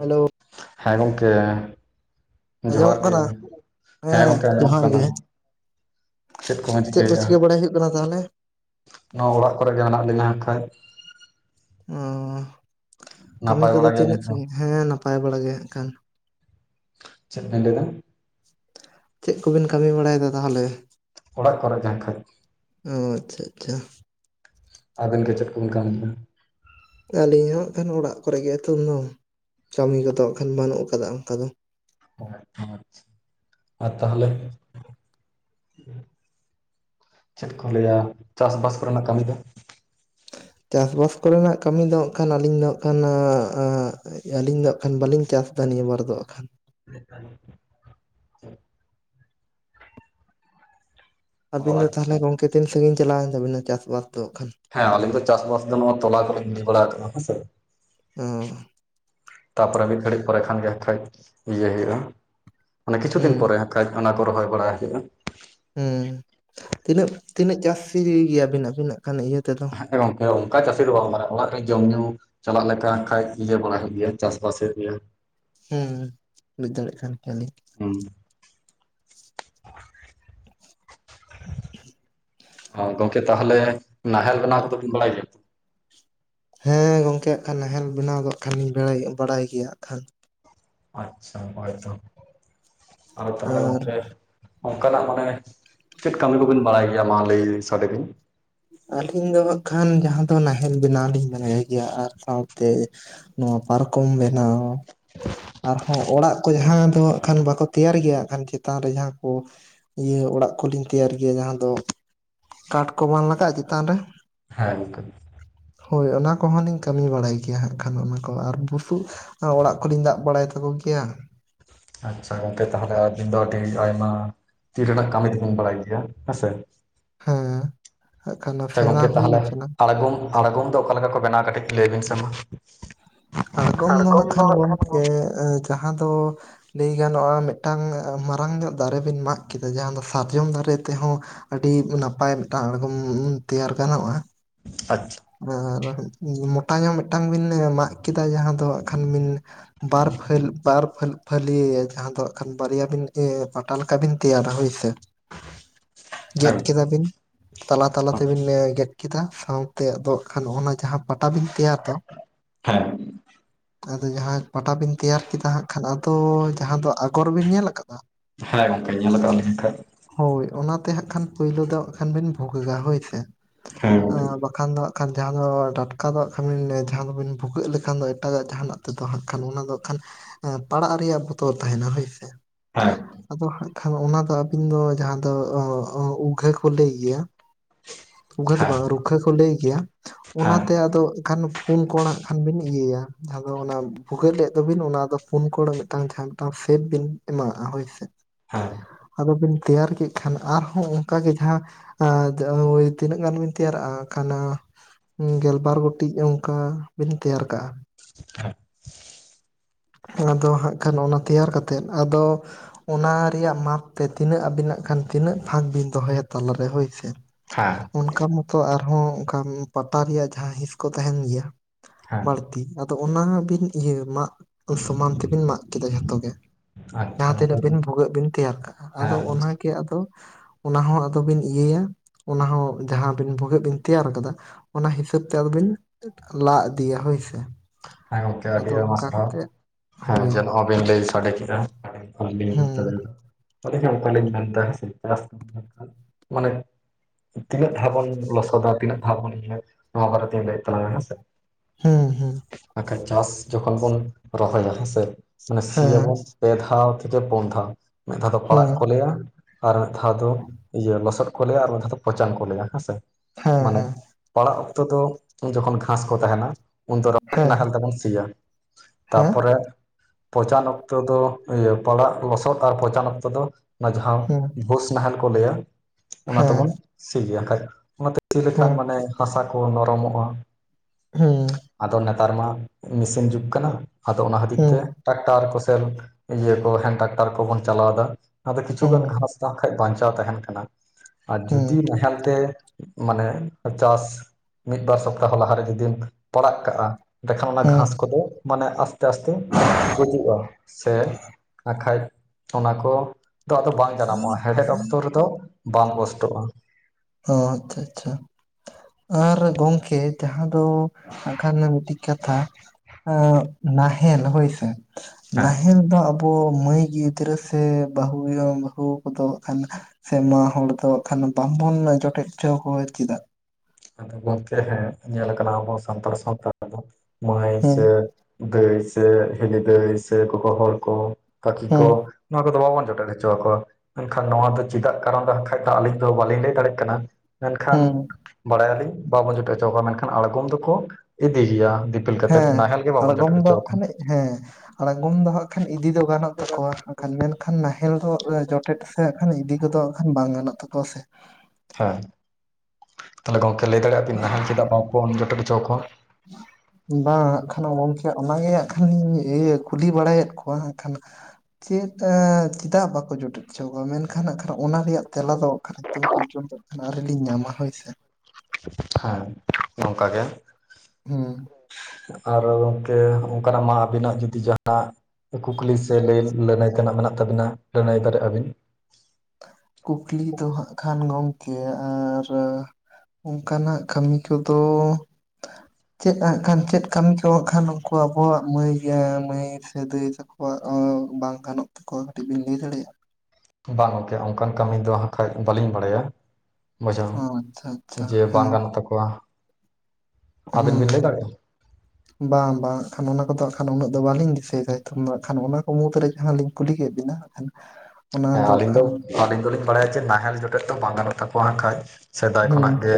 Hello ᱦᱮᱸ ᱜᱚᱢᱠᱮ, ᱡᱚᱦᱟᱨ ᱟᱸᱡᱚᱢᱚᱜ ᱜᱮ ᱠᱟᱱᱟ ᱦᱮᱸ ᱜᱚᱝᱠᱮ ᱟᱸᱡᱚᱢᱚᱜ ᱡᱚᱦᱟᱨ ᱠᱟᱱᱟ, ᱜᱮ ᱪᱮᱫ ᱠᱚᱵᱮᱱ ᱠᱚ ᱪᱤᱠᱟᱹᱭᱮᱜ-ᱟ? ᱪᱤᱠᱟᱹ ᱵᱟᱲᱟᱭ ᱦᱩᱭᱩᱜ ᱠᱟᱱᱟ ᱛᱟᱦᱚᱞᱮ ᱱᱚᱣᱟ ᱚᱲᱟᱜ ᱠᱚᱨᱮᱜ ᱜᱮ ᱦᱮᱱᱟᱜ ᱞᱤᱧᱟ ᱦᱟᱜ ᱠᱷᱟᱡ, ᱚ ᱠᱟᱹᱢᱤ ᱱᱟᱯᱟᱭ ᱠᱚᱫᱚ ᱵᱟᱲᱟ ᱛᱤᱱᱟᱹᱜ ᱜᱮᱭᱟᱵᱤᱱ ᱛᱚ ᱥᱟᱺᱜᱤᱧ, ᱦᱮᱸ ᱱᱟᱯᱟᱭ ᱵᱟᱲᱟ ᱜᱮ ᱦᱟᱜ ᱠᱷᱟᱱ, ᱪᱮᱫ ᱵᱮᱱ ᱞᱟᱹᱭᱫᱟ? ᱪᱮᱫ ᱠᱚᱵᱤᱱ ᱠᱟᱹᱢᱤ ᱵᱟᱲᱟᱭᱮᱫᱟ ᱛᱟᱦᱚᱞᱮ? ᱚᱲᱟᱜ ᱠᱚᱨᱮ ᱦᱟᱜ ᱠᱷᱟᱡ, ᱚ ᱟᱪᱪᱷᱟ ᱟᱪᱪᱷᱟ, ᱟᱵᱮᱱ ᱜᱮ ᱪᱮᱫ ᱠᱚᱵᱤᱱ ᱠᱟᱹᱢᱤᱭᱮᱜᱼᱟ? ᱟᱹᱞᱤᱧ ᱦᱚᱸ ᱦᱟᱜ ᱠᱷᱟᱱ ᱚᱲᱟᱜ ᱠᱚᱨᱮ ᱜᱮ ᱦᱤᱛᱟᱹᱱ ᱫᱚ ᱠᱟᱹᱢᱤ ᱠᱚᱫᱚ ᱠᱷᱟᱱ ᱵᱟᱹᱱᱩᱜ ᱟᱠᱟᱫᱟ ᱚᱱᱠᱟ ᱫᱚ, ᱚ ᱟᱪᱪᱷᱟ ᱟᱪᱪᱷᱟ᱾ ᱟᱨ ᱛᱟᱦᱚᱞᱮ ᱪᱮᱫ ᱠᱚ ᱞᱟᱹᱭᱟ ᱪᱟᱥᱵᱟᱥ ᱠᱚᱨᱮᱱᱟᱜ ᱠᱟᱹᱢᱤ ᱫᱚ? ᱪᱟᱥᱼᱵᱟᱥ ᱠᱚᱨᱮᱱᱟᱜ ᱠᱟᱹᱢᱤ ᱫᱚ ᱦᱟᱜ ᱠᱷᱟᱱ ᱟᱹᱞᱤᱧ ᱫᱚ ᱦᱟᱜ ᱠᱷᱟᱱ ᱟ ᱟᱹᱞᱤᱧ ᱫᱚ ᱦᱟᱜ ᱠᱷᱟᱱ ᱵᱟᱹᱞᱤᱧ ᱪᱟᱥ ᱫᱟ ᱱᱤᱭᱟᱹ ᱵᱟᱨ ᱫᱚ ᱦᱟᱜ ᱠᱷᱟᱱ, [unintelligible] ᱚ ᱟᱹᱵᱤᱱ ᱫᱚ ᱟᱪᱪᱷᱟ ᱛᱟᱦᱚᱞᱮ ᱜᱚᱝᱠᱮ ᱛᱤᱱ ᱥᱟᱺᱜᱤᱧ ᱪᱟᱞᱟᱣᱮᱱ ᱛᱟᱵᱤᱱᱟ ᱪᱟᱥᱵᱟᱥ ᱫᱚ ᱦᱟᱜ ᱠᱷᱟᱱ? ᱦᱮᱸ ᱟᱹᱞᱤᱧ ᱫᱚ ᱪᱟᱥᱵᱟᱥ ᱫᱚ ᱱᱚᱣᱟ ᱛᱚᱞᱟ ᱠᱚᱞᱤᱧ ᱜᱤᱰᱤ ᱵᱟᱲᱟ ᱠᱟᱜᱼᱟ ᱦᱮᱸ ᱥᱮ, ᱦᱮᱸᱻ ᱛᱟᱯᱚᱨᱮ ᱢᱤᱫ ᱜᱷᱟᱹᱲᱤᱡ ᱯᱚᱨᱮ ᱠᱷᱟᱱ ᱜᱮ ᱠᱷᱟᱹᱡ ᱤᱭᱟᱹ ᱦᱩᱭᱩᱜ-ᱟ᱾ ᱚᱱᱮ ᱠᱤᱪᱷᱩ ᱫᱤᱱ ᱦᱩᱸ ᱦᱩᱸ ᱯᱚᱨᱮ ᱠᱷᱟᱡ ᱚᱱᱟ ᱠᱚ ᱨᱚᱦᱚᱭ ᱵᱟᱲᱟᱭ ᱦᱩᱭᱩᱜ-ᱟ᱾ ᱦᱩᱸ ᱛᱤᱱᱟᱹᱜ ᱛᱤᱱᱟᱹᱜ ᱪᱟᱹᱥᱤ ᱜᱮᱭᱟᱵᱤᱱ ᱟᱹᱵᱤᱱᱟᱜ ᱠᱷᱟᱱ ᱤᱭᱟᱹ ᱛᱮᱫᱚ? ᱦᱮᱸ ᱜᱚᱝᱠᱮ ᱚᱱᱠᱟ ᱪᱟᱹᱥᱤ ᱫᱚ ᱵᱟᱝ ᱢᱟᱨᱟᱝ ᱚᱲᱟᱜ ᱨᱮ ᱡᱚᱢ, ᱧᱩ, ᱪᱟᱞᱟᱜ ᱞᱮᱠᱟ ᱠᱷᱟᱡ ᱤᱭᱟᱹ ᱵᱟᱲᱟᱭ ᱦᱩᱭᱩᱜ ᱜᱮᱭᱟ ᱪᱟᱥᱵᱟᱥ ᱦᱩᱭᱩᱜ ᱜᱮᱭᱟ᱾ ᱦᱩᱸ ᱦᱩ ᱵᱩᱡ ᱫᱟᱲᱮᱭᱟᱜ ᱠᱟᱱ ᱜᱮᱭᱟᱞᱤᱧ᱾ [unintelligible] ᱚ ᱜᱚᱢᱠᱮ ᱛᱟᱦᱚᱞᱮ ᱱᱟᱦᱮᱞ ᱵᱮᱱᱟᱣ ᱠᱚᱫᱚ ᱵᱤᱱ ᱵᱟᱲᱟᱭ ᱜᱮᱭᱟ ᱛᱚ? ᱦᱮᱸ ᱜᱚᱝᱠᱮ ᱱᱟᱜ ᱠᱷᱟᱱ ᱱᱟᱦᱮᱞ ᱵᱮᱱᱟᱣ ᱫᱚ ᱱᱟᱜ ᱠᱷᱟᱱ ᱞᱤᱧ ᱵᱟᱲᱟᱭ ᱵᱟᱲᱟᱭ ᱜᱮᱭᱟ ᱱᱟᱜ ᱠᱷᱟᱱ, ᱟᱪᱪᱷᱟ ᱦᱳᱭᱛᱚ, ᱟᱫᱚ ᱛᱟᱦᱚᱞᱮ ᱟᱨ ᱜᱚᱝᱠᱮ ᱚᱱᱠᱟ ᱱᱟᱜ ᱢᱟᱱᱮ ᱪᱮᱫ ᱠᱟᱹᱢᱤ ᱠᱚᱵᱤᱱ ᱵᱟᱲᱟᱭ ᱜᱮᱭᱟ ᱢᱟ ᱞᱟᱹᱭ ᱥᱟᱰᱮ ᱵᱤᱱ? ᱟᱹᱞᱤᱧ ᱫᱚ ᱦᱟᱜ ᱠᱷᱟᱱ ᱡᱟᱸᱦᱟ ᱫᱚ ᱱᱟᱦᱮᱞ ᱵᱮᱱᱟᱣ ᱞᱤᱧ ᱵᱮᱱᱟ ᱜᱮᱭᱟ, ᱟᱨ ᱥᱟᱶᱛᱮ ᱱᱚᱣᱟ ᱯᱟᱨᱠᱚᱢ ᱵᱮᱱᱟᱣ, ᱟᱨᱦᱚᱸ ᱚᱲᱟᱜ ᱠᱚ ᱡᱟᱸᱦᱟ ᱫᱚ ᱦᱟᱜ ᱠᱷᱟᱱ ᱵᱟᱠᱚ ᱛᱮᱭᱟᱨ ᱜᱮᱭᱟ ᱦᱟᱜ ᱠᱷᱟᱱ ᱪᱮᱛᱟᱱ ᱨᱮ ᱡᱟᱸᱦᱟ ᱠᱚ ᱤᱭᱟᱹ ᱚᱲᱟᱜ ᱠᱚᱞᱤᱧ ᱛᱮᱭᱟᱨ ᱜᱮᱭᱟ ᱡᱟᱸᱦᱟ ᱫᱚ ᱠᱟᱴᱷ ᱠᱚ ᱵᱟᱝ ᱞᱟᱜᱟᱜ-ᱟ ᱪᱮᱛᱟᱱ ᱨᱮ ᱦᱮᱸ ᱜᱚᱝᱠᱮ᱾ ᱦᱳᱭ ᱚᱱᱟ ᱠᱚᱦᱚᱸᱞᱤᱧ ᱠᱟᱹᱢᱤ ᱵᱟᱲᱟᱭ ᱜᱮᱭᱟ ᱦᱟᱜ ᱠᱷᱟᱱ ᱚᱱᱟᱠᱚ, ᱟᱨ ᱵᱩᱥᱩᱵ ᱚᱲᱟᱜ ᱠᱚᱞᱤᱧ ᱫᱟᱜ ᱵᱟᱲᱟᱭ ᱛᱟᱠᱚ ᱜᱮᱭᱟ᱾ ᱟᱪᱪᱷᱟ ᱜᱚᱝᱠᱮ ᱛᱟᱦᱚᱞᱮ ᱟᱵᱤᱱ ᱫᱚ ᱟᱹᱰᱤ ᱟᱭᱢᱟ ᱛᱤᱨᱮ ᱨᱮᱱᱟᱜ ᱠᱟᱹᱢᱤ ᱫᱚᱵᱤᱱ ᱵᱟᱲᱟᱭ ᱜᱮᱭᱟ ᱦᱮᱸᱥᱮ, ᱦᱮᱸ ᱦᱟᱸᱜ ᱠᱷᱟᱱ ᱟᱪᱪᱷᱟ ᱥᱮᱬᱟ ᱜᱚᱝᱠᱮ ᱦᱩᱭ ᱛᱟᱦᱚᱞᱮ ᱠᱟᱱᱟ ᱟᱬᱜᱚᱢ ᱟᱬᱜᱚᱢ ᱫᱚ ᱚᱠᱟ ᱞᱮᱠᱟ ᱠᱚ ᱵᱮᱱᱟᱣᱟ ᱠᱟᱹᱴᱤᱡ ᱞᱟᱹᱭ ᱵᱤᱱ ᱥᱮ ᱢᱟ? ᱟᱲᱜᱚᱢ ᱫᱚ ᱦᱟᱜ ᱠᱷᱟᱱ ᱜᱚᱢᱠᱮ ᱡᱟᱸᱦᱟ ᱫᱚ ᱞᱟᱹᱭ ᱜᱟᱱᱚᱜ-ᱟ, ᱢᱤᱫᱴᱟᱝ ᱢᱟᱨᱟᱝ ᱧᱚᱜ ᱫᱟᱨᱮ ᱵᱤᱱ ᱢᱟᱜ ᱠᱮᱫᱟ ᱡᱟᱸᱦᱟ ᱫᱚ ᱥᱟᱨᱡᱚᱢ ᱫᱟᱨᱮ ᱛᱮᱦᱚᱸ ᱟᱹᱰᱤ ᱱᱟᱯᱟᱭ ᱢᱤᱫᱴᱟᱝ ᱟᱲᱜᱚᱢ ᱛᱮᱭᱟᱨ ᱜᱟᱱᱚᱜ-ᱟ᱾ ᱟᱪᱪᱷᱟ ᱾ ᱟᱨ ᱢᱚᱴᱟ ᱧᱚᱜ ᱢᱤᱫᱴᱟᱝ ᱵᱤᱱ ᱢᱟᱜ ᱠᱮᱫᱟ ᱡᱟᱸᱦᱟ ᱫᱚ ᱦᱟᱜ ᱠᱷᱟᱱ ᱵᱤᱱ ᱵᱟᱨ ᱯᱷᱟᱹᱞ ᱵᱟᱨ ᱯᱷᱟᱹᱞ ᱯᱷᱟᱹᱞᱤᱭᱟ ᱡᱟᱸᱦᱟ ᱫᱚ ᱦᱟᱜ ᱠᱷᱟᱱ ᱵᱟᱨᱭᱟ ᱵᱤᱱ ᱯᱟᱴᱟ ᱞᱮᱠᱟ ᱵᱤᱱ ᱛᱮᱭᱟᱨᱟ ᱦᱳᱭᱥᱮ, ᱦᱮᱸ ᱜᱮᱫ ᱠᱮᱫᱟ ᱵᱤᱱ ᱛᱟᱞᱟ ᱛᱟᱞᱟ ᱛᱮᱵᱤᱱ ᱜᱮᱫ ᱠᱮᱫᱟ ᱥᱟᱶ ᱛᱮᱭᱟ ᱫᱚ ᱟᱠᱷᱟᱱ ᱚᱱᱟ ᱡᱟᱸᱦᱟ ᱯᱟᱴᱟ ᱵᱤᱱ ᱛᱮᱭᱟᱨ ᱫᱚ, ᱦᱮᱸ ᱟᱫᱚ ᱡᱟᱦᱟᱸ ᱯᱟᱴᱟ ᱵᱤᱱ ᱛᱮᱭᱟᱨ ᱠᱮᱫᱟ ᱦᱟᱸᱜ ᱠᱷᱟᱱ ᱟᱫᱚ ᱡᱟᱦᱟᱸ ᱫᱚ ᱟᱜᱚᱨ ᱵᱤᱱ ᱧᱮᱞ ᱟᱠᱟᱫᱟ? ᱦᱮᱸ ᱜᱚᱝᱠᱮ ᱧᱮᱞ ᱟᱠᱟᱫ ᱞᱤᱧ ᱠᱷᱟᱡ ᱦᱳᱭ ᱚᱱᱟᱛᱮ ᱦᱟᱸᱜ ᱠᱷᱟᱱ ᱯᱳᱭᱞᱳ ᱫᱷᱚ ᱠᱷᱟᱱ ᱵᱮᱱ ᱵᱷᱩᱜᱟ ᱦᱳᱭᱥᱮ, ᱦᱮᱸ ᱜᱚᱝᱠᱮ ᱠᱷᱟᱱ ᱫᱚ ᱦᱟᱜ ᱠᱷᱟᱱ ᱡᱟᱦᱟᱸ ᱫᱚ ᱰᱟᱴᱠᱟ ᱫᱚ ᱦᱟᱜ ᱠᱷᱟᱱ ᱡᱟᱦᱟᱸ ᱫᱚᱵᱤᱱ ᱵᱷᱩᱜᱟᱹᱜ ᱞᱮᱠᱷᱟᱱ ᱫᱚ ᱮᱴᱟᱜᱟᱜ ᱡᱟᱦᱟᱱᱟᱜ, ᱛᱮᱫᱚ ᱦᱟᱸᱜ ᱠᱷᱟᱱ ᱚᱱᱟ ᱫᱚ ᱦᱟᱸ ᱠᱷᱟᱱ ᱯᱟᱲᱟᱜ ᱨᱮᱭᱟᱜ ᱵᱚᱛᱚᱨ ᱛᱟᱦᱮᱱᱟ ᱦᱳᱭ ᱥᱮ, ᱦᱮᱸ᱾ ᱟᱫᱚ ᱦᱟᱸᱜ ᱠᱷᱟᱱ ᱚᱱᱟ ᱫᱚ ᱟᱵᱤᱱ ᱫᱚ ᱡᱟᱦᱟᱸ ᱫᱚ ᱩᱜᱷᱟᱹ ᱠᱚ ᱞᱟᱹᱭ ᱜᱮᱭᱟ, ᱩᱜᱷᱟᱹ ᱫᱚ ᱵᱟᱝ ᱨᱩᱠᱷᱟᱹ ᱠᱚ ᱞᱟᱹᱭ ᱜᱮᱭᱟ ᱦᱮᱸ ᱚᱱᱟᱛᱮ ᱟᱫᱚ ᱠᱷᱟᱱ ᱯᱩᱱ ᱠᱚᱲᱟᱜ ᱠᱷᱟᱱ ᱵᱤᱱ ᱤᱭᱟᱹᱭᱟ ᱟᱫᱚ ᱚᱱᱟ ᱵᱷᱩᱜᱟᱹᱜ ᱞᱮᱫ ᱫᱚᱵᱤᱱ ᱚᱱᱟ ᱫᱚ ᱯᱷᱩᱱ ᱠᱚᱲ ᱢᱤᱫᱴᱟᱝ ᱡᱟᱦᱟᱴᱟᱝ ᱥᱮᱵ ᱵᱤᱱ ᱮᱢᱟᱣᱟᱜᱼᱟ ᱦᱳᱭ ᱥᱮ ᱦᱮᱸ᱾ ᱟᱫᱚ ᱵᱤᱱ ᱛᱮᱭᱟᱨ ᱠᱮᱫ ᱠᱷᱟᱱ ᱟᱨᱦᱚᱸ ᱚᱱᱠᱟᱜᱮ ᱡᱟᱦᱟᱸ ᱳᱭ ᱛᱤᱱᱟᱹᱜ ᱜᱟᱱ ᱵᱤᱱ ᱛᱮᱭᱟᱨᱟᱜᱼᱟ ᱠᱟᱱᱟ ᱜᱮᱞᱵᱟᱨ ᱜᱚᱴᱤᱡ ᱚᱱᱠᱟ ᱰᱤᱱ ᱛᱮᱭᱟᱨ ᱠᱟᱜᱼᱟ, [unintelligible] ᱟᱫᱚ ᱦᱟᱸᱜ ᱠᱷᱟᱱ ᱚᱱᱟ ᱛᱮᱭᱟᱨ ᱠᱟᱛᱮᱫ ᱟᱫᱚ ᱚᱱᱟ ᱨᱮᱭᱟᱜ ᱢᱟᱯ ᱛᱮ ᱛᱤᱱᱟᱹᱜ ᱟᱵᱤᱱᱟᱜ ᱠᱷᱟᱱ ᱛᱤᱱᱟᱹᱜ ᱯᱷᱟᱜᱽ ᱵᱤᱱ ᱫᱚᱦᱚᱭᱟ ᱛᱟᱞᱟᱨᱮ ᱦᱳᱭ ᱥᱮ ᱦᱮᱸ ᱚᱱᱠᱟ ᱢᱚᱛᱚ ᱟᱨᱦᱚᱸ ᱚᱱᱠᱟ ᱯᱟᱴᱟ ᱨᱮᱭᱟᱜ ᱡᱟᱦᱟᱸ ᱦᱤᱸᱥ ᱠᱚ ᱛᱟᱦᱮᱱ ᱜᱮᱭᱟ ᱦᱮᱸ ᱵᱟᱹᱲᱛᱤ ᱟᱫᱚ ᱚᱱᱟ ᱵᱤᱱ ᱤᱭᱟᱹ ᱢᱟᱜ ᱥᱚᱢᱟᱱ ᱛᱮᱵᱤᱱ ᱢᱟᱜ ᱠᱮᱫᱟ ᱡᱷᱚᱛᱚ ᱜᱮ, ᱟᱪᱪᱷᱟ ᱡᱟᱦᱟᱸ ᱛᱤᱱᱟᱹᱜ ᱜᱚᱝᱠᱮ ᱵᱤᱱ ᱵᱷᱩᱜᱟᱹᱜ ᱵᱤᱱ ᱛᱮᱭᱟᱨ ᱠᱟᱜᱼᱟ, ᱟᱫᱚ ᱦᱮᱸ ᱚᱱᱟᱜᱮ ᱟᱫᱚ ᱚᱱᱟ ᱦᱚ ᱟᱫᱚᱵᱤᱱ ᱤᱭᱟᱹᱭᱟ ᱚᱱᱟᱦ ᱡᱟᱦᱟᱸᱵᱤᱱ ᱵᱷᱩᱜᱟ ᱵᱤᱱ ᱛᱮᱭᱟᱨ ᱟᱠᱟᱫᱟ᱾ ᱚᱱᱟ ᱦᱤᱥᱟᱹᱵ ᱛᱮ ᱟᱫᱚ ᱵᱤᱱ ᱞᱟ ᱤᱫᱤᱭᱟ ᱦᱳᱭ ᱥᱮ ᱦᱮ ᱜᱚᱝᱠᱮ ᱟᱹᱰᱤ ᱟᱫᱚ ᱟᱭᱢᱟ ᱚᱱᱠᱟ ᱥᱟᱨᱦᱟᱣ᱾ ᱠᱟᱛᱮᱜ ᱦᱮᱸ ᱦᱳᱭ ᱡᱮ ᱱᱚᱭ ᱵᱤᱱ ᱞᱟᱹᱭ ᱥᱟᱰᱮ ᱠᱮᱜᱼᱟ ᱟᱹᱰᱤ ᱵᱷᱟᱞᱮ ᱦᱳᱭ ᱮᱱ ᱦᱩᱸ ᱛᱟᱵᱤᱱᱟ ᱟᱞᱤᱧ ᱦᱚ ᱚᱱᱠᱟ ᱞᱤᱧ ᱢᱮᱱ ᱫᱟ ᱦᱮᱥᱮ ᱪᱟᱥ ᱢᱟᱱᱮ ᱛᱤᱱᱟᱹᱜ ᱫᱷᱟᱣ ᱵᱚᱱ ᱞᱚᱥᱚᱫᱟ ᱛᱤᱱᱟᱹᱜ ᱫᱷᱟᱣ ᱵᱚᱱ ᱤᱭᱟᱹ ᱱᱚᱣᱟ ᱵᱟᱨᱮ ᱛᱮᱤᱧ ᱞᱟᱹᱭ ᱛᱟᱞᱟᱟᱭ ᱦᱮᱸᱥᱮ, ᱦᱮᱸ ᱦᱮᱸ ᱟᱨᱠᱷᱟᱡ ᱪᱟᱥ ᱡᱚᱠᱷᱚᱱ ᱵᱚᱱ ᱨᱚᱦᱚᱭᱟ ᱦᱮᱸ ᱢᱟᱱᱮ ᱦᱮᱸ ᱥᱤᱭᱟᱵᱚᱱ, ᱯᱮ ᱫᱷᱟᱣ ᱛᱷᱮᱠᱮ ᱯᱩᱱ ᱫᱷᱟᱣ ᱢᱤᱫ ᱫᱷᱟᱣ ᱫᱚ ᱯᱟᱲᱟᱜ ᱦᱮᱸ ᱠᱚ ᱞᱟᱹᱭᱟ, ᱟᱨ ᱢᱤᱫ ᱫᱷᱟᱣ ᱫᱚ ᱤᱭᱟᱹ ᱞᱚᱥᱚᱫ ᱠᱚ ᱞᱟᱹᱭᱟ ᱟᱨ ᱢᱤᱫ ᱫᱷᱟᱣ ᱫᱚ ᱯᱚᱪᱟᱱ ᱠᱚ ᱞᱟᱹᱭᱟ ᱦᱮᱸ ᱥᱮ᱾ ᱢᱟᱱᱮ ᱦᱮᱸ ᱯᱟᱲᱟᱜ ᱚᱠᱛᱚ ᱫᱚ ᱩᱱ ᱡᱚᱠᱷᱚᱱ ᱜᱷᱟᱸᱥ ᱠᱚ ᱛᱟᱦᱮᱱᱟ ᱩᱱ ᱫᱚ ᱦᱮᱸ ᱱᱟᱦᱮᱞ ᱛᱮᱵᱚᱱ ᱥᱤᱭᱟ ᱛᱟᱯᱚ ᱦᱮᱸ ᱨᱮ ᱯᱚᱪᱟᱱ ᱚᱠᱛᱚ ᱫᱚ ᱤᱭᱟᱹ ᱯᱟᱲᱟᱜ ᱞᱚᱥᱚᱫ ᱟᱨ ᱯᱚᱪᱟᱱ ᱚᱠᱛᱚ ᱫᱚ ᱚᱱᱟ ᱡᱟᱦᱟᱸ ᱦᱮᱸ ᱵᱷᱳᱥ ᱱᱟᱦᱮᱞ ᱠᱚ ᱞᱟᱹᱭᱟ ᱚᱱᱟ ᱛᱮᱵᱚᱱ ᱥᱤ ᱜᱮᱭᱟ ᱠᱷᱟᱡ ᱚᱱᱟᱛᱮ ᱥᱤ ᱞᱮᱠᱷᱟᱱ ᱦᱩᱸ ᱢᱟᱱᱮ ᱦᱟᱥᱟ ᱠᱚ ᱱᱚᱨᱚᱢᱚᱜᱼᱟ᱾ ᱦᱮᱸ ᱟᱫᱚ ᱱᱮᱛᱟᱨ ᱢᱟ ᱢᱮᱥᱤᱱ ᱡᱩᱜᱽ ᱠᱟᱱᱟ ᱟᱫᱚ ᱚᱱᱟ ᱦᱚᱛᱮᱡ ᱦᱩᱸ ᱛᱮ ᱴᱨᱟᱠᱴᱟᱨ ᱠᱚᱥ ᱤᱭᱟᱹ ᱠᱚ ᱦᱮᱱ ᱴᱨᱟᱠᱴᱟᱨ ᱠᱚᱵᱚᱱ ᱪᱟᱞᱟᱣ ᱮᱫᱟ ᱟᱫᱚ ᱠᱤᱪᱷᱩ ᱜᱟᱱ ᱦᱩᱸ ᱜᱷᱟᱥ ᱵᱟᱢ ᱠᱷᱟᱱ ᱵᱟᱧᱪᱟᱣ ᱛᱟᱦᱮᱱ ᱠᱟᱱᱟ ᱟᱨ ᱡᱩᱫᱤ ᱦᱩᱸ ᱱᱟ ᱦᱮᱞ ᱛᱮ ᱢᱟᱱᱮ ᱪᱟᱥ ᱢᱤᱫ ᱵᱟᱨ ᱥᱚᱯᱛᱟᱦᱚ ᱞᱟᱦᱟᱨᱮ ᱡᱩᱫᱤᱢ ᱯᱟᱲᱟᱜ ᱠᱟᱜᱼᱟ ᱮᱸᱰᱮᱠᱷᱟᱱ ᱚᱱᱟ ᱦᱩᱸ ᱜᱷᱟᱸᱥ ᱠᱚᱫᱚ ᱢᱟᱱᱮ ᱟᱥ ᱪᱟᱥᱛᱮ ᱜᱩᱡᱩᱜᱼᱟ ᱥᱮ ᱟᱠᱷᱟᱡ ᱚᱱᱟ ᱠᱚ ᱟᱫᱚ ᱵᱟᱝ ᱡᱟᱱᱟᱢᱚᱜᱼᱟ ᱦᱮᱰᱮᱫ ᱚᱠᱛᱚ ᱨᱮᱫᱚ ᱵᱟᱝ ᱠᱚᱥᱴᱚᱜᱼᱟ᱾ ᱟᱪᱪᱷᱟ ᱟᱪᱪᱷᱟ ᱟᱨ ᱜᱚᱝᱠᱮ ᱡᱟᱦᱟᱸ ᱫᱚ ᱟᱨᱠᱷᱮ ᱢᱤᱫᱴᱤᱠ ᱠᱟᱛᱷᱟ ᱟᱨ ᱱᱟᱦᱮᱞ ᱦᱳᱭ ᱥᱮ ᱦᱮᱸ ᱱᱟᱦᱮᱞ ᱫᱚ ᱟᱵ ᱟᱵᱚ ᱢᱟᱹᱭ ᱜᱤᱫᱽᱨᱟᱹ ᱥᱮ ᱵᱟᱹᱦᱩ ᱮᱨᱟ ᱱᱤᱠᱩ ᱠᱚ ᱫᱚ ᱦᱟᱸᱜ ᱠᱷᱟᱡ ᱥᱮᱢᱟ ᱦᱚᱲ ᱫᱚ ᱠᱷᱟᱱ ᱵᱟᱵᱚᱱ ᱡᱚᱴᱮᱫ ᱦᱚᱪᱚ ᱠᱚᱣᱟ ᱪᱮᱫᱟᱜ? ᱟᱫᱚ ᱜᱚᱝᱠᱮ ᱦᱮᱸ ᱧᱮᱞ ᱠᱟᱱᱟ ᱟᱵᱚ ᱥᱟᱱᱛᱟᱲ ᱥᱟᱣᱛᱟ ᱨᱮᱫᱚ ᱢᱟᱭ ᱦᱮᱸ ᱥᱮ ᱫᱟᱹᱭ ᱥᱮ ᱦᱤᱞᱤ ᱫᱟᱹᱭ ᱥᱮ ᱜᱚᱜᱚ ᱦᱚᱲ ᱠᱚ ᱯᱟᱠᱷᱤ ᱠᱚ ᱦᱮᱸ ᱱᱚᱣᱟ ᱠᱚᱫᱚ ᱵᱟᱵᱚᱱ ᱡᱚᱴᱮᱫ ᱦᱚᱪᱚᱣᱟ ᱠᱚᱣᱟ᱾ ᱢᱮᱱᱠᱷᱟᱱ ᱱᱚᱣᱟ ᱫᱚ ᱪᱮᱫᱟᱜ ᱠᱟᱨᱚᱱ ᱵᱟᱠᱷᱟᱡ ᱫᱚ ᱟᱹᱞᱤᱧ ᱫᱚ ᱵᱟᱹᱞᱤᱧ ᱞᱟᱹᱭ ᱫᱟᱲᱮᱭᱟᱜ ᱠᱟᱱᱟ ᱢᱮᱱᱠᱷᱟᱱᱼᱼ ᱦᱮᱸ ᱵᱟᱲᱟᱭᱟᱞᱤᱧ ᱵᱟᱵᱚᱱ ᱡᱩᱴᱮᱫ ᱦᱚᱪᱚᱣᱟ ᱠᱚᱣᱟ ᱢᱮᱱᱠᱷᱟᱱ ᱟᱸᱬᱜᱚᱢ ᱫᱚᱠᱚ ᱤᱫᱤ ᱜᱮᱭᱟ᱾ ᱫᱤᱯᱤᱞ ᱦᱮᱸ ᱠᱟᱛᱮᱫ ᱱᱟᱦᱮᱞ ᱜᱮ ᱵᱟᱵᱚᱱ ᱟᱸᱲᱜᱚᱢ ᱡᱚᱴᱮᱫ ᱫᱚ ᱦᱚᱪᱚ ᱦᱟᱸᱜ ᱟᱠᱚᱣᱟ ᱠᱷᱟᱱ ᱦᱮᱸ ᱟᱸᱲᱜᱚᱢ ᱫᱚ ᱦᱟᱸᱜ ᱠᱷᱟᱱ ᱤᱫᱤ ᱫᱚ ᱜᱟᱱᱚᱜ ᱛᱟᱠᱚᱣᱟ᱾ ᱠᱷᱟᱱ ᱢᱮᱱᱠᱷᱟᱱ ᱱᱟᱦᱮᱞ ᱫᱚ ᱮᱸ ᱡᱚᱴᱮᱫ ᱥᱮ ᱦᱟᱸᱜ ᱠᱷᱟᱱ ᱤᱫᱤ ᱠᱚᱫᱚ ᱵᱟᱝ ᱜᱟᱱᱚᱜ ᱛᱟᱠᱚᱣᱟ ᱥᱮ᱾ ᱦᱮᱸ ᱛᱟᱦᱞᱮ ᱜᱚᱝᱠᱮ ᱞᱟᱹᱭ ᱫᱟᱲᱮᱭᱟᱜ ᱵᱤᱱ ᱱᱟᱦᱮᱞ ᱪᱮᱫᱟᱜ ᱵᱟᱝ ᱵᱚᱱ ᱡᱚᱴᱮᱫ ᱪᱚᱣ ᱠᱚᱣᱟ? ᱵᱟᱝ ᱦᱟᱸᱜ ᱠᱷᱟᱱ ᱜᱚᱢᱠᱮ ᱚᱱᱟᱜᱮ ᱦᱟᱸᱜ ᱠᱷᱟᱱᱤᱧ ᱠᱩᱞᱤ ᱵᱟᱲᱟᱭᱮᱫ ᱠᱚᱣᱟ ᱦᱟᱸᱜ ᱠᱷᱟᱱ ᱪᱮᱫ ᱟᱸ ᱪᱮᱫᱟᱜ ᱵᱟᱠᱚ ᱡᱚᱴᱮᱫᱼᱼ ᱪᱚᱣ ᱠᱚᱣᱟ ᱢᱮᱱᱠᱷᱟᱱᱟᱱ ᱚᱱᱟ ᱨᱮᱭᱟᱜ ᱛᱮᱞᱟ ᱫᱚ ᱠᱷᱟᱱ ᱱᱤᱛᱚᱝ ᱯᱳᱨᱡᱳᱱᱛᱳ ᱠᱷᱟᱱ ᱟᱹᱣᱨᱤ ᱞᱤᱧ ᱧᱟᱢᱟ ᱦᱳᱭ ᱥᱮ ᱦᱮᱸ ᱱᱚᱝ ᱠᱟᱜᱮᱼᱼ ᱦᱩᱸ ᱟᱨ ᱜᱚᱝᱠᱮ ᱚᱱᱠᱟᱱᱟᱜ ᱢᱟ ᱟᱵᱤᱱᱟᱜ ᱡᱩᱫᱤ ᱡᱟᱦᱱᱟᱜ ᱠᱩᱠᱞᱤ ᱥᱮ ᱞᱟᱹᱼᱼ ᱞᱟᱹᱞᱟᱹᱭ ᱛᱮᱱᱟᱜ ᱢᱮᱱᱟᱜ ᱛᱟᱵᱤᱱᱟ ᱞᱟᱹᱱᱟᱹᱭ ᱫᱟᱲᱮ ᱭᱟᱜᱼᱟ ᱵᱤᱱ ᱠᱩᱠᱞᱤ ᱫᱚ ᱦᱟᱸᱜ ᱠᱷᱟᱱ ᱜᱚᱢᱠᱮ ᱟᱨᱼᱼ ᱚᱝᱠᱟᱱᱟᱜ ᱠᱟᱹᱢᱤ ᱠᱚᱫᱚᱼᱼ ᱪᱮᱫᱼᱟᱸᱜ ᱠᱷᱟᱱ ᱪᱮᱫ ᱠᱟᱹᱢᱤ ᱠᱚ ᱠᱷᱟᱱ ᱩᱱᱠᱩ ᱟᱵᱚᱣᱟᱜ ᱢᱟᱹᱭ ᱜᱮ ᱢᱟᱹᱭ ᱥᱮ ᱫᱟᱹᱭ ᱛᱟᱼᱼ ᱠᱚᱣᱟᱜ ᱟᱸ ᱵᱟᱝ ᱜᱟᱱᱚᱜ ᱛᱟᱠᱚᱣᱟ ᱠᱟᱹᱴᱤᱡ ᱵᱤᱱ ᱞᱟᱹᱭ ᱫᱟᱲᱮᱭᱟᱜᱼᱟ? ᱵᱟᱝ ᱜᱚᱢᱠᱮ ᱚᱝᱠᱟᱱ ᱠᱟᱹᱢᱤ ᱫᱚ ᱦᱟᱸᱜ ᱠᱷᱟᱡ ᱵᱟᱹᱞᱤᱧ ᱵᱟᱲᱟᱭᱟ, ᱵᱩᱡᱷᱟᱹᱣ ᱟᱪᱪᱷᱟ ᱟᱪᱪᱷᱟ ᱡᱮ ᱵᱟᱝ ᱦᱮᱸ ᱜᱟᱱᱚᱜ ᱛᱟᱠᱚᱣᱟ ᱟᱵᱤᱱ ᱦᱩᱸ᱾ ᱵᱤᱱ ᱞᱟᱹᱭ ᱫᱟᱲᱮᱭᱟᱜᱼᱟ ᱵᱟᱝ ᱵᱟᱝ ᱟᱸᱠᱷᱟᱱ ᱩᱱᱟ ᱠᱚᱫᱚ ᱦᱟᱸᱜ ᱠᱷᱟᱱ ᱩᱱᱟᱹᱜ ᱫᱚ ᱵᱟᱹᱞᱤᱧ ᱫᱤᱥᱟᱹᱭ ᱫᱟ ᱱᱤᱛᱚᱝ ᱫᱚ ᱦᱟᱸᱜ ᱠᱷᱟᱱ ᱚᱱᱟ ᱠᱚ ᱢᱩᱫᱽ ᱨᱮ ᱡᱟᱦᱟᱸ ᱞᱤᱧᱼᱼ ᱠᱩᱞᱤ ᱠᱮᱫ ᱵᱤᱱᱟ ᱦᱟᱸᱜ ᱠᱷᱟᱱᱼᱼ ᱦᱮᱸ ᱟᱹᱞᱤᱧ ᱫᱚ ᱟᱞᱤᱧ ᱫᱚᱞᱤᱧ ᱵᱟᱲᱟᱭᱟ ᱪᱮᱫ ᱱᱟᱦᱮᱞ ᱡᱚᱴᱮᱫ ᱫᱚ ᱵᱟᱝ ᱜᱟᱱᱚᱜ ᱛᱟᱠᱚᱣᱟ ᱦᱟᱸᱜ ᱠᱷᱟᱡ᱾ ᱥᱮᱫᱟᱭ ᱦᱩᱸ ᱠᱷᱚᱱᱟᱜ ᱜᱮ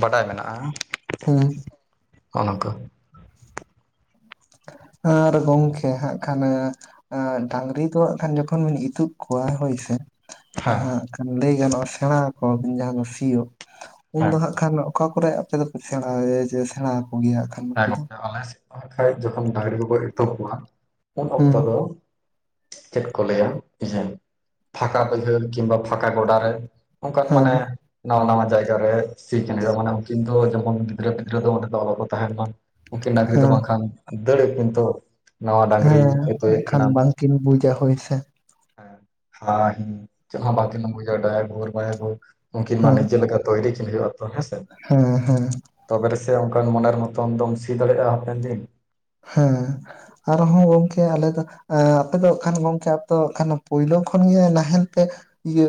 ᱵᱟᱰᱟᱭ ᱢᱮᱱᱟᱜᱼᱟ, ᱦᱩᱸ ᱚᱱᱟ ᱠᱚ ᱟᱨ ᱜᱚᱝᱠᱮ ᱦᱟᱸᱜ ᱠᱷᱟᱱ ᱟᱸ ᱟᱸᱜ ᱰᱟᱝᱨᱤ ᱫᱚ ᱦᱟᱸᱜ ᱠᱷᱟᱱ ᱡᱚᱠᱷᱚᱱ ᱵᱤᱱ ᱤᱛᱩᱜ ᱠᱚᱣᱟ ᱦᱳᱭ ᱥᱮ ᱦᱮᱸ ᱡᱟᱦᱟᱸ ᱦᱟᱸᱜ ᱠᱷᱟᱱ ᱞᱟᱹᱭ ᱜᱟᱱᱚᱜᱼᱟ ᱥᱮᱸᱬᱟᱣᱟ ᱠᱚᱣᱟᱵᱚᱱ ᱡᱟᱦᱟᱸ ᱫᱚ ᱥᱤᱭᱳᱜ, ᱩᱱ ᱦᱮᱸ ᱫᱚ ᱦᱟᱸᱜ ᱠᱷᱟᱱ ᱚᱠᱟ ᱠᱚᱨᱮ ᱟᱯᱮ ᱫᱚᱯᱮ ᱥᱮᱸᱬᱟ ᱮ ᱥᱮᱬᱟ ᱟᱠᱚ ᱜᱮᱭᱟ? ᱠᱷᱟᱱ ᱱᱩᱠᱩ ᱦᱮᱸ ᱫᱚ? ᱜᱚᱢᱠᱮ ᱟᱞᱮ ᱥᱮᱡ ᱫᱚ ᱠᱷᱚᱡ ᱡᱚᱠᱷᱚᱱ ᱰᱟᱝᱨᱤ ᱠᱚᱠᱚ ᱤᱛᱩ ᱠᱚᱣᱟ ᱩᱱ ᱦᱮᱸ ᱚᱠᱛᱚ ᱫᱚᱼᱼ ᱪᱮᱫ ᱠᱚ ᱞᱟᱹᱭᱟ [unintelligible] ᱯᱷᱟᱸᱠᱟ ᱵᱟᱹᱭᱦᱟᱹᱲ ᱠᱤᱢᱵᱟ ᱯᱷᱟᱸᱠᱟ ᱜᱚᱰᱟ ᱨᱮᱼᱼ ᱚᱝᱠᱟᱱ ᱦᱮᱸ ᱢᱟᱱᱮ ᱱᱟᱣᱟ ᱱᱟᱣᱟ ᱡᱟᱭᱜᱟ ᱨᱮ ᱥᱤ ᱠᱤᱱ ᱦᱩᱭᱩᱜᱼᱟ, ᱢᱟᱱᱮ ᱩᱱ ᱫᱚ ᱡᱮᱢᱚᱱ ᱜᱤᱫᱽᱨᱟᱹ ᱯᱤᱫᱽᱨᱟᱹ ᱫᱚ ᱚᱸᱰᱮ ᱫᱚ ᱚᱞᱚ ᱠᱚ ᱛᱟᱸᱦᱮᱱ ᱢᱟ, ᱩᱠᱤᱱ ᱰᱟᱸᱜᱽᱨᱤ ᱫᱚ ᱦᱮᱸ ᱵᱟᱝᱠᱷᱟᱱ ᱫᱟᱹᱲᱟᱠᱤᱱ ᱛᱚ᱾ ᱱᱟᱣᱟ ᱰᱟᱸᱜᱽᱨᱤ ᱦᱮᱸ ᱤᱛᱩᱭᱮᱫ ᱮᱱᱠᱷᱟᱱ ᱠᱤᱱᱟᱢ ᱵᱟᱝᱠᱤᱱ ᱵᱩᱡᱟ ᱦᱳᱭ ᱥᱮ ᱦᱮ ᱦᱟ ᱦᱤᱸ ᱪᱮᱫ ᱦᱚ ᱵᱟᱝᱠᱤᱱ ᱵᱩᱡᱟ ᱰᱟᱭᱮᱜᱷᱩᱨ ᱵᱟᱭᱮᱜᱷᱩᱨ ᱩᱱᱠᱤᱱ ᱢᱟ ᱦᱮᱸ ᱱᱤᱡᱮ ᱞᱮᱠᱟ ᱛᱚ ᱤᱫᱤ ᱠᱤᱱ ᱦᱩᱭᱩᱜᱼᱟᱛᱚ ᱠᱤᱱ ᱦᱮᱸ ᱥᱮ, ᱦᱮᱸ ᱦᱮᱸ ᱛᱚᱵᱮ ᱨᱮᱸᱥᱮ ᱚᱱᱠᱟᱱ ᱢᱚᱱᱮᱨ ᱢᱚ ᱢᱚᱛᱚᱱ ᱫᱚᱢ ᱥᱤ ᱫᱟᱲᱮᱭᱟᱜᱼᱟ ᱦᱟᱯᱮᱱ ᱫᱤᱱ᱾ ᱦᱮᱸ ᱟᱨᱦᱚᱸ ᱜᱚᱝᱠᱮ ᱟᱞᱮ ᱫᱚ ᱮᱸ ᱟᱯᱮ ᱫᱚ ᱦᱟᱸᱜ ᱠᱷᱟᱱ ᱜᱚᱢᱠᱮ ᱟᱯᱮ ᱫᱚ ᱦᱟᱸᱜ ᱠᱷᱟᱱ ᱯᱳᱭᱞᱳ ᱠᱷᱚᱱᱜᱮ ᱱᱟᱦᱮᱞ ᱛᱮ ᱤᱭᱟᱹ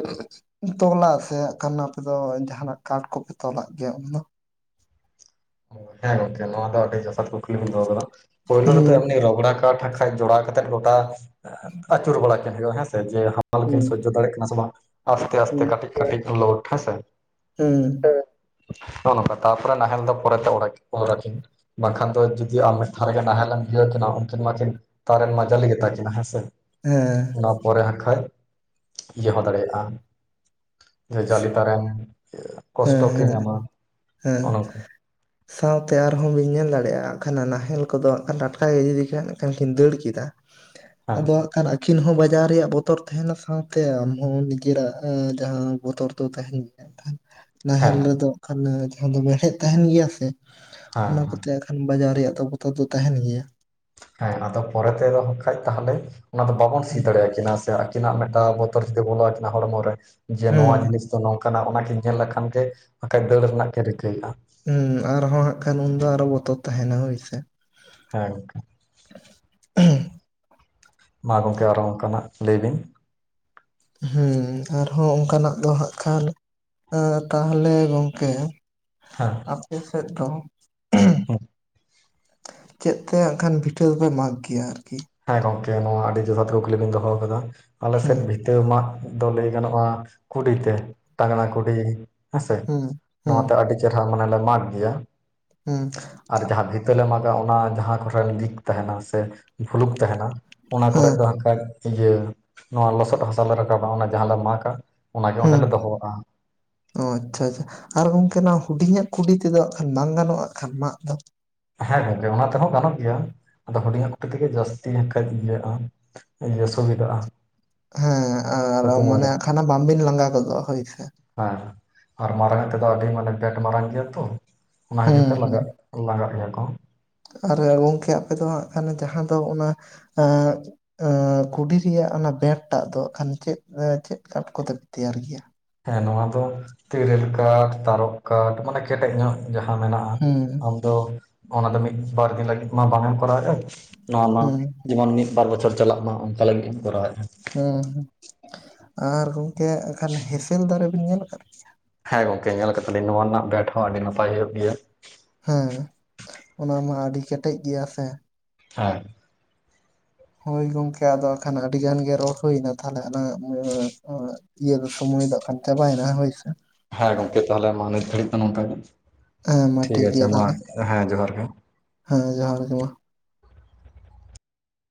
ᱛᱚᱞᱟ ᱥᱮ ᱦᱟᱸᱜ ᱠᱷᱟᱱ ᱟᱯᱮ ᱫᱚ ᱡᱟᱸᱦᱟᱱᱟᱜ ᱠᱟᱴ ᱠᱚᱯᱮ ᱛᱚᱞᱟᱜ ᱜᱮᱭᱟ ᱩᱱᱫᱚ? ᱦᱮᱸ ᱜᱚᱝᱠᱮ ᱱᱚᱣᱟ ᱫᱚ ᱟᱹᱰᱤ ᱡᱚᱛᱷᱟᱛ ᱠᱩᱠᱞᱤ ᱵᱤᱱ ᱫᱚᱦᱚ ᱟᱠᱟᱫᱟ ᱯᱳᱞᱳ ᱨᱮ ᱫᱚ ᱦᱮᱸ ᱮᱢᱱᱤ ᱨᱚᱜᱽᱲᱟ ᱠᱟᱴ ᱮ ᱡᱚᱲᱟᱣ ᱠᱟᱛᱮᱫ ᱜᱚᱴᱟ ᱟᱹᱪᱩᱨ ᱵᱟᱲᱟ ᱠᱤᱱ ᱦᱩᱭᱩᱜᱼᱟ ᱦᱮᱸᱥᱮ, ᱡᱮ ᱦᱟᱢᱟᱞ ᱠᱤᱱ ᱦᱩᱸ ᱥᱚᱡᱽᱡᱚ ᱫᱟᱲᱮᱭᱟᱜ ᱠᱟᱱᱟ ᱥᱮ ᱵᱟᱝ ᱟᱥᱛᱮ ᱟᱥᱛᱮ ᱦᱩᱸ ᱠᱟᱹᱴᱤᱡ ᱠᱟᱹᱴᱤᱡ ᱞᱳᱴ ᱦᱮᱸᱥᱮ, ᱦᱩᱸ᱾ ᱦᱩᱸ, ᱱᱚᱜᱼᱚ ᱱᱚᱝᱠᱟ ᱛᱟᱯᱚᱨᱮ ᱱᱟᱦᱮᱞ ᱫᱚ ᱯᱚᱨᱮᱛᱮ ᱚᱲᱟᱭ, ᱚᱨᱟᱠᱤᱱ ᱵᱟᱝᱠᱷᱟᱱ ᱫᱚ ᱡᱩᱫᱤ ᱟᱢ ᱢᱤᱫ ᱫᱷᱟᱣ ᱨᱮᱜᱮ ᱱᱟᱦᱮᱞ ᱞᱮᱢ ᱤᱭᱤᱹᱣᱟ ᱠᱤᱱᱟ ᱩᱱᱠᱤᱱ ᱢᱟᱠᱤᱱ ᱛᱟᱨᱮᱱ ᱢᱟ ᱡᱟᱞᱤ ᱜᱮᱛᱟ ᱠᱤᱱᱟᱹ ᱦᱮᱸᱥᱮ ᱦᱮᱸ ᱚᱱᱟ ᱯᱚᱨᱮ ᱦᱟᱸᱠᱷᱟᱡ ᱤᱭᱟᱹ ᱦᱚᱸ ᱫᱟᱲᱮᱭᱟᱜᱼᱟ᱾ ᱡᱮ ᱡᱟᱹᱞᱤ ᱛᱟᱨᱮᱱ ᱦᱮᱸ ᱠᱚᱥᱴᱚ ᱠᱤᱱ ᱦᱮᱸ ᱧᱟᱢᱟ ᱦᱮᱸ ᱚᱱᱮ ᱚᱝᱠᱟ᱾ ᱥᱟᱶᱛᱮ ᱟᱨᱦᱚᱸ ᱵᱤᱱ ᱧᱮᱞ ᱫᱟᱲᱮᱜᱼᱟ ᱟᱜᱠᱷᱟᱱᱟ ᱱᱟᱦᱮᱞ ᱠᱚᱫᱚ ᱠᱟ ᱴᱟᱴᱠᱟ ᱜᱮ ᱡᱩᱫᱤ ᱠᱷᱮ ᱠᱷᱮᱱ ᱠᱤᱱ ᱫᱟᱹᱲ ᱠᱮᱫᱟ, ᱦᱮᱸ ᱟᱫᱚ ᱦᱟᱸᱜ ᱠᱷᱟᱱ ᱟᱹᱠᱷᱤᱱ ᱦᱚᱸ ᱵᱟᱡᱟᱣ ᱨᱮᱭᱟᱜ ᱵᱚᱛᱚᱨ ᱛᱟᱸᱦᱮᱱᱟ ᱥᱟᱶᱛᱮ ᱟᱢᱦᱚᱸ ᱱᱤᱡᱮᱨᱟᱜ ᱮᱸ ᱡᱟᱦᱟᱸ ᱵᱚᱛᱚᱨ ᱫᱚ ᱛᱟᱸᱦᱮᱱ ᱜᱮᱭᱟ ᱱᱟᱦᱮᱞ ᱦᱮᱸ ᱨᱮᱫᱚ ᱠᱷᱚᱱ ᱡᱟᱦᱟᱸ ᱫᱚ ᱢᱮᱲᱦᱮᱫ ᱛᱟᱸᱦᱮᱱ ᱜᱮᱭᱟ ᱥᱮ, ᱦᱮᱸ ᱚᱱᱟ ᱠᱚᱛᱮ ᱟᱜᱠᱷᱟᱱ ᱵᱟᱡᱟᱣ ᱨᱮᱭᱟᱜ ᱫᱚ ᱵᱚᱛᱚ ᱫᱚ ᱛᱟᱸᱦᱮᱱ ᱜᱮᱭᱟ ᱾ ᱦᱮᱸ ᱟᱫᱚ ᱯᱚᱨᱮ ᱛᱮᱫ ᱠᱷᱟᱡ ᱛᱟᱦᱞᱮ ᱚᱱᱟ ᱫᱚ ᱵᱟᱵᱚᱱ ᱥᱤ ᱫᱟᱲᱮᱭᱟᱠᱤᱱᱟ ᱥᱮ, ᱛᱤᱱᱟᱜ ᱢᱮᱜᱴᱟᱣ ᱵᱚᱛᱚᱨ ᱡᱩᱫᱤ ᱵᱚᱞᱚ ᱟᱹᱠᱤᱱᱟ ᱦᱚᱲᱢᱚ ᱨᱮ, ᱡᱮ ᱱᱚᱣᱟ ᱦᱩᱸ ᱡᱤᱱᱤᱥ ᱛᱚ ᱱᱚᱝᱠᱟᱱᱟᱜ ᱚᱱᱟ ᱠᱤᱱ ᱧᱮᱞ ᱞᱮᱠᱷᱟᱱ ᱜᱮ ᱵᱟᱠᱷᱟᱡ ᱫᱟᱹᱲ ᱨᱮᱱᱟᱜ ᱜᱮ ᱨᱤᱠᱟᱹᱭᱮᱜᱼᱟ ᱾ ᱩᱸ ᱟᱨᱦᱚᱸ ᱦᱟᱸᱜ ᱠᱷᱟᱱ ᱩᱱᱫᱚ ᱟᱨᱚ ᱵᱚᱛᱚᱨ ᱛᱟᱸᱦᱮᱱᱟ ᱦᱳᱭᱥᱮ ᱾ ᱦᱮᱸ ᱜᱚᱝᱠᱮ᱾ [unintelligible] ᱢᱟ ᱜᱚᱝᱠᱮ ᱟᱨᱚ ᱚᱱᱠᱟ ᱱᱟᱜ ᱞᱟᱹᱭ ᱵᱤᱱ ᱾ ᱦᱩᱸ ᱟᱨᱦᱚᱸ ᱚᱱᱠᱟᱱᱟᱜ ᱫᱚ ᱦᱟᱸᱜ ᱠᱷᱟᱱ ᱮ ᱛᱟᱦᱞᱮ ᱜᱚᱝᱠᱮ ᱦᱮᱸ ᱟᱯᱮ ᱥᱮᱫ ᱫᱚ [inaudible] [inaudible] ᱪᱮᱫ ᱛᱮ ᱟᱜ ᱠᱷᱟᱱ ᱯᱤᱴᱷᱟᱹᱣ ᱯᱮ ᱢᱟᱜᱽ ᱜᱤᱭᱟ ᱟᱨᱠᱤ? ᱦᱮᱸ ᱜᱚᱝᱠᱮ ᱱᱚᱣᱟ ᱟᱹᱰᱤ ᱡᱚᱛᱷᱟᱛ ᱠᱩᱠᱞᱤ ᱵᱤᱱ ᱫᱚᱦᱚ ᱟᱠᱟᱫᱟ ᱟᱞᱮ ᱦᱩᱸ ᱥᱮᱫ ᱵᱷᱤ ᱫᱟᱹᱣ ᱢᱟᱜ ᱫᱚ ᱞᱟᱹᱭ ᱜᱟᱱᱚᱜᱼᱟ᱾ ᱠᱩᱰᱤᱛᱮ ᱛᱟᱝᱜᱽᱱᱟ ᱠᱩᱰᱤ ᱦᱮᱸᱥᱮ ᱦᱩᱸ ᱦᱩᱸ ᱱᱚᱣᱟᱛᱮ ᱟᱹᱰᱤ ᱪᱮᱨᱦᱟ ᱢᱟᱱᱮ ᱞᱮ ᱢᱟᱜᱽ ᱜᱤᱭᱟ ᱦᱩᱸ ᱟᱨ ᱡᱟᱦᱟᱸ ᱵᱷᱤᱛ ᱛᱮᱞᱮ ᱢᱟᱜᱟ ᱚᱱᱟ ᱡᱟᱦᱟᱸ ᱠᱚᱨᱮ ᱞᱤᱠ ᱛᱟᱦᱮᱱᱟ ᱥᱮ ᱵᱷᱩᱞᱩᱠ ᱛᱟᱦᱮᱱᱟ ᱚᱱᱟ ᱠᱚᱨᱮ ᱦᱩᱸ ᱫᱚ ᱦᱟᱜ ᱠᱷᱟᱡ ᱤᱭᱟᱹ ᱱᱚᱣᱟ ᱞᱚᱥᱚᱫ ᱦᱟᱥᱟᱞᱮ ᱨᱟᱠᱟᱵᱟ ᱚᱱᱟ ᱡᱟᱦᱟᱸ ᱞᱮ ᱢᱟᱜᱟ ᱚᱱᱟᱜᱮ ᱚᱸᱰᱮ ᱦᱩᱸ ᱞᱮ ᱫᱚᱦᱚᱣᱟᱜᱼᱟ ᱾ ᱚ ᱟᱪᱪᱷᱟ ᱟᱪᱪᱷᱟ ᱟᱨ ᱜᱚᱝᱠᱮ ᱱᱟᱜ ᱦᱩᱰᱤᱧᱟᱜ ᱠᱩᱰᱤ ᱛᱮᱫᱚ ᱟᱜ ᱠᱷᱟᱱ ᱵᱟᱝ ᱜᱟᱱᱚᱜᱼᱟᱜ ᱠᱷᱟᱱ ᱢᱟᱜ ᱫᱚ? ᱦᱮᱸ ᱜᱚᱝᱠᱮ ᱚᱱᱟ ᱛᱮᱦᱚᱸ ᱜᱟᱱᱚᱜ ᱜᱮᱭᱟ ᱟᱫᱚ ᱦᱩᱰᱤᱧᱟᱜ ᱠᱩᱰᱤ ᱛᱮᱜᱮ ᱡᱟᱹᱥᱛᱤ ᱠᱟᱹᱡ ᱤᱭᱟᱹᱜᱼᱟ ᱾ ᱤᱭᱟᱹ ᱥᱩᱵᱤᱫᱟᱜᱼᱟ ᱾ ᱦᱮᱸ ᱟᱨ ᱟᱢᱟᱱᱮ ᱟᱠᱷᱟᱱᱟ ᱵᱟᱢᱵᱤᱱ ᱞᱟᱸᱜᱟ ᱜᱚᱫᱚᱜᱼᱟ ᱦᱳᱭ ᱥᱮ ᱾ ᱦᱮᱸ ᱟᱨ ᱢᱟᱨᱟᱝ ᱛᱮᱫᱚ ᱟᱹᱰᱤ ᱢᱟᱱᱮ ᱵᱮᱴ ᱢᱟᱨᱟᱝ ᱜᱮᱭᱟ ᱛᱚ ᱚᱱᱟ ᱦᱚᱛᱤᱨ ᱦᱩᱸ ᱛᱮ ᱦᱩᱸ ᱞᱟᱜᱟᱜ ᱞᱟᱜᱟᱜ ᱵᱷᱮᱭᱟ ᱠᱚ ᱟᱨ ᱜᱚᱝᱠᱮ ᱟᱯᱮ ᱫᱚ ᱦᱟᱸᱜ ᱠᱷᱟᱱ ᱡᱟᱦᱟᱸ ᱫᱚ ᱚᱱᱟ ᱮᱸ ᱠᱩᱰᱤ ᱨᱮᱭᱟᱜ ᱚᱱᱟ ᱵᱮᱴ ᱴᱟᱜ ᱫᱚ ᱟᱜ ᱠᱷᱟᱱ ᱪᱮᱫ ᱨᱮ ᱪᱮᱫ ᱠᱟᱴ ᱠᱚᱛᱮ ᱯᱮ ᱛᱮᱭᱟᱨ ᱜᱮᱭᱟ? ᱦᱮᱸ ᱱᱚᱣᱟ ᱫᱚ ᱛᱮᱹᱨᱮᱹᱞ ᱠᱟᱴ, ᱛᱟᱨᱚᱵ ᱠᱟᱴ ᱢᱟᱱᱮ ᱠᱮᱴᱮᱡ ᱧᱚᱜ᱿ ᱡᱟᱦᱟᱸ ᱢᱮᱱᱟᱜᱼᱟ ᱦᱩᱸ ᱟᱢ ᱫᱚ ᱚᱱᱟ ᱫᱚ ᱢᱤᱫ ᱵᱟᱨ ᱫᱤᱱ ᱞᱟᱹᱜᱤᱫ ᱢᱟ ᱵᱟᱝᱮᱢ ᱠᱚᱨᱟᱣᱮᱫᱼᱟ᱾ ᱱᱚᱣᱟ ᱢᱟ ᱦᱩᱸ ᱡᱮᱢᱚᱱ ᱢᱤᱫ ᱵᱟᱨ ᱵᱚᱪᱷᱚᱨ ᱪᱟᱞᱟᱜ ᱢᱟ ᱚᱱᱠᱟ ᱞᱟᱹᱜᱤᱫ ᱮᱢ ᱠᱚᱨᱟᱣᱮᱫᱼᱟ᱾ ᱦᱩᱸ ᱦᱩᱸ ᱟᱨ ᱜᱚᱝᱠᱮ ᱮᱠᱷᱟᱱ ᱦᱮᱸᱥᱮᱞ ᱫᱟᱨᱮ ᱵᱤᱱ ᱧᱮᱞ ᱟᱠᱟᱫ ᱜᱮᱭᱟ? ᱦᱮᱸ ᱜᱚᱝᱠᱮ ᱧᱮᱞ ᱠᱟᱫᱟᱞᱤᱧ ᱱᱚᱣᱟ ᱨᱮᱱᱟᱜ ᱵᱮᱴ ᱦᱚᱸ ᱟᱹᱰᱤ ᱱᱟᱯᱟᱭ ᱦᱩᱭᱩᱜ ᱜᱮᱭᱟ ᱾ ᱦᱮᱸ ᱚᱱᱟ ᱢᱟ ᱟᱹᱰᱤ ᱠᱮᱴᱮᱡ ᱜᱮᱭᱟ ᱥᱮ᱾ ᱦᱮᱸ ᱦᱳᱭ ᱜᱚᱝᱠᱮ ᱟᱫᱚ ᱟᱠᱷᱟᱱ ᱟᱹᱰᱤ ᱜᱟᱱ ᱜᱮ ᱨᱚᱲ ᱦᱩᱭᱱᱟ ᱛᱟᱦᱚᱞᱮ ᱟᱞᱟᱝᱟᱜ [unintelligible] ᱤᱭᱟᱹ ᱫᱚ ᱥᱚᱢᱚᱭ ᱫᱚ ᱟᱜᱠᱷᱟᱱ ᱪᱟᱵᱟᱭ ᱱᱟ ᱦᱳᱭ ᱥᱮ ᱦᱮᱸ ᱜᱚᱢᱠᱮ ᱛᱟᱦᱚᱞᱮ ᱢᱟ ᱱᱤᱛ ᱜᱷᱟᱹᱲᱤᱡ ᱫᱚ ᱱᱚᱝᱠᱟ ᱜᱮ ᱦᱮᱸ ᱢᱟ ᱴᱷᱤᱠ ᱟᱪᱷᱮ ᱜᱮᱭᱟ ᱢᱟ ᱛᱟᱦᱚᱞᱮ ᱦᱮᱸ ᱡᱚᱦᱟᱨ ᱜᱮ ᱾ ᱦᱮᱸ ᱡᱚᱦᱟᱨ ᱜᱮ ᱢᱟ ᱾